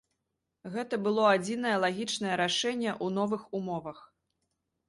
Гэта было адзінае лагічнае рашэнне ў новых умовах.